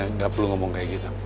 enggak perlu ngomong seperti itu